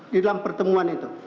di dalam pertemuan itu